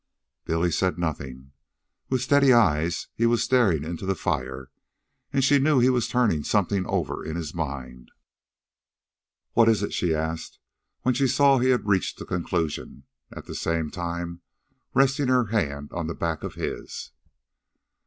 Billy said nothing. With steady eyes he was staring into the fire, and she knew he was turning something over in his mind. "What is it," she asked, when she saw he had reached a conclusion, at the same time resting her hand on the back of his.